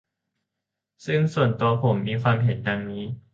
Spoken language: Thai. ซึ่งส่วนตัวผมมีความเห็นดังนี้